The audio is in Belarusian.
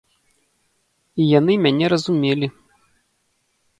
І яны мяне разумелі!